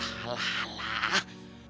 alah alah alah